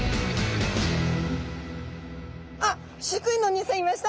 あっ飼育員のおにいさんいました！